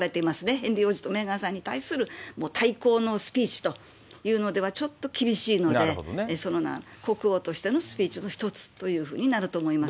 ヘンリー王子とメーガンさんに対する対抗のスピーチというのではちょっと厳しいので、そのような国王のスピーチの一つということになると思います。